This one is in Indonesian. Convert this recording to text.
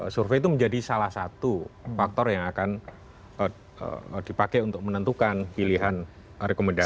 survei itu menjadi salah satu faktor yang akan dipakai untuk menentukan pilihan rekomendasi